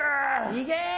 行け！